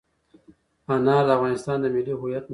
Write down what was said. انار د افغانستان د ملي هویت نښه ده.